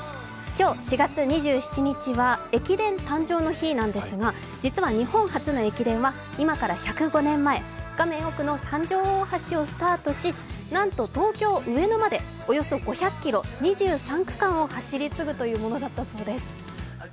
今日４月２７日は、駅伝誕生の日なんですが、実は日本初の駅伝は今から１０５年前画面奥の三条大橋をスタートし、なんと東京・上野までおよそ５００ｋｍ、２３区間を走り継ぐというものだったそうです。